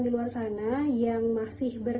di luar sana yang masih